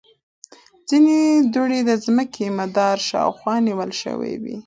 ځینې دوړې د ځمکې مدار شاوخوا نیول شوې وي.